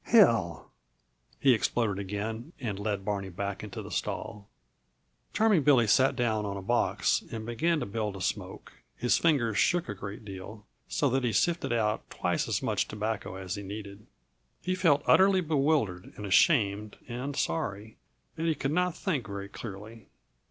"Hell!" he exploded again, and led Barney back into the stall. Charming Billy sat down on a box and began to build a smoke; his fingers shook a great deal, so that he sifted out twice as much tobacco as he needed. He felt utterly bewildered and ashamed and sorry, and he could not think very clearly.